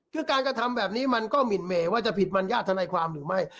คือการกระทำแบบนี้มันก็หมินเมว่าจะผิดมัญญาติธนายความหรือไม่